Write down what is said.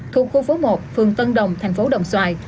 thuộc khu phố một phường tân đồng thành phố đồng xoài